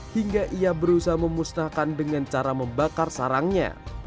hingga ia berusaha memusnahkan dengan cara membakar sarangnya